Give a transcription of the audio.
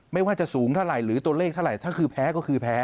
ไม่ว่าจะสูงเท่าไหร่หรือตัวเลขเท่าไหร่ถ้าคือแพ้ก็คือแพ้